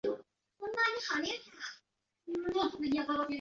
现效力于日职球队川崎前锋。